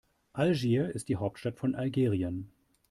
Algier ist die Hauptstadt von Algerien.